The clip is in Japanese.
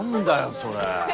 それ。